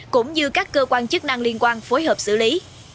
cũng như các cơ quan chức năng liên quan phối hợp xử lý